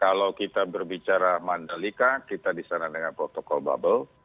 kalau kita berbicara mandalika kita di sana dengan protokol bubble